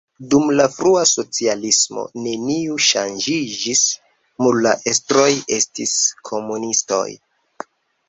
Dum la frua socialismo neniu ŝanĝiĝis, mur la estroj estis komunistoj.